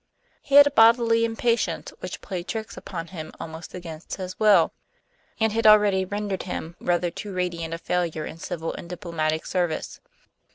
He had a bodily impatience which played tricks upon him almost against his will, and had already rendered him rather too radiant a failure in civil and diplomatic service.